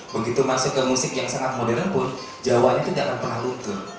begitu masuk ke musik yang sangat modern pun jawa itu tidak akan pernah luntur